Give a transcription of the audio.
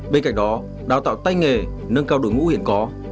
bên cạnh đó đào tạo tay nghề nâng cao đội ngũ hiện có